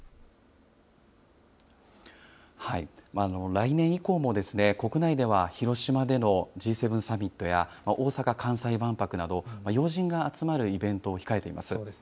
来年以降も国内では広島でのＧ７サミットや大阪・関西万博など、要人が集まるイベントを控えています。